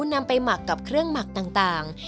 นำไปหมักกับเครื่องหมักต่าง